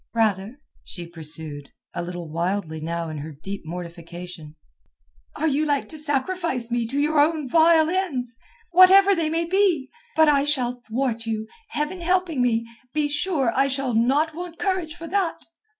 Rather," she pursued, a little wildly now in her deep mortification, "are you like to sacrifice me to your own vile ends, whatever they may be. But I shall thwart you, Heaven helping me. Be sure I shall not want courage for that."